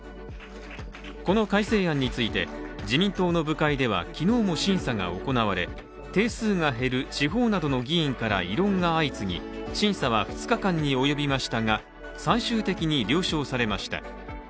この改正案について、自民党の部会では昨日も審査が行われ、定数が減る地方などの議員から異論が相次ぎ、審査は２日間におよびましたが最終的に了承されました。